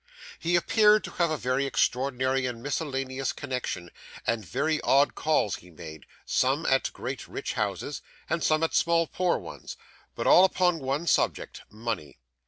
He appeared to have a very extraordinary and miscellaneous connection, and very odd calls he made, some at great rich houses, and some at small poor ones, but all upon one subject: money.